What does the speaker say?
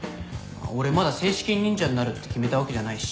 俺まだ正式に忍者になるって決めたわけじゃないし。